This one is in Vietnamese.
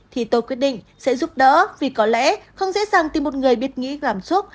thì tôi quyết định sẽ giúp đỡ vì có lẽ không dễ dàng tìm một người biết nghĩ cảm xúc